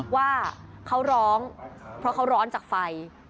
ว่าเขาร้องเพราะเขาร้อนจากไฟ